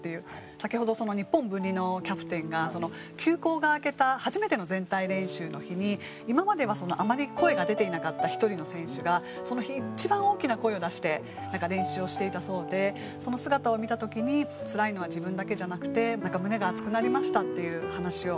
先ほど日本文理のキャプテンが休校が明けた初めての全体練習の日に今まではあまり声が出ていなかった１人の選手がその日一番大きな声を出して練習をしていたそうでその姿を見た時に「つらいのは自分だけじゃなくてなんか胸が熱くなりました」っていう話を。